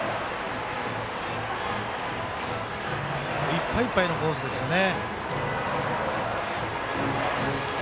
いっぱいいっぱいのコースですよね。